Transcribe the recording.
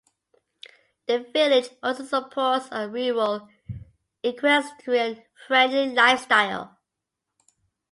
The village also supports a rural, equestrian-friendly lifestyle.